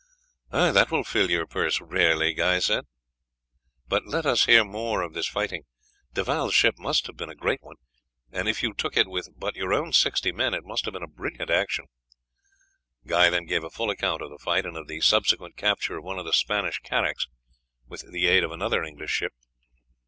"That will fill your purse rarely, Guy. But let us hear more of this fighting. De Valles's ship must have been a great one, and if you took it with but your own sixty men it must have been a brilliant action." Guy then gave a full account of the fight, and of the subsequent capture of one of the Spanish carracks with the aid of another English ship.